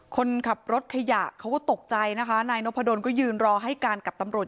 คนขับรถขยะเขาก็ตกใจนะคะนายนพดลก็ยืนรอให้การกับตำรวจ